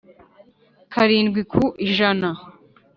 karindwi ku ijana